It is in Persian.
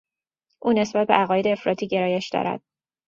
او نسبت به عقاید افراطی گرایش دارد.